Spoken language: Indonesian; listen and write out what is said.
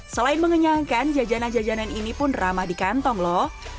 selain mengenyangkan jajanan jajanan ini pun ramah di kantong loh